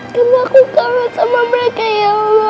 karena aku kaget sama mereka ya allah